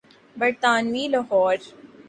برطانوی لاہور۔